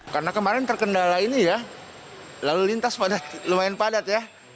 karena kemarin terkendala ini ya lalu lintas padat lumayan padat ya